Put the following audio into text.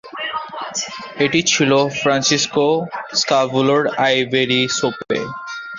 এটি ছিল Francisco স্কাভুলো’র ivory সোপে।